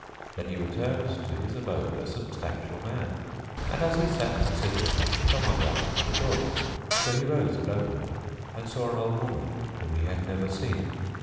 Then he returned to his abode a substantial man; and, as he sat considering, some one rapped at the door. So he rose and opened and saw an old woman whom he had never seen.